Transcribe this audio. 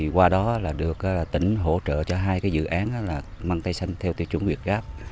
qua đó được tỉnh hỗ trợ cho hai dự án măng tây xanh theo tiêu chuẩn việt gáp